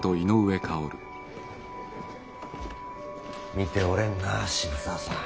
見ておれんなぁ渋沢さん。